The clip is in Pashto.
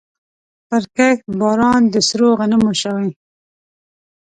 پرکښت باران د سرو غنمو شوی